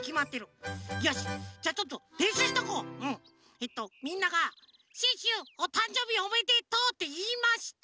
えっとみんなが「シュッシュおたんじょうびおめでとう！」っていいました。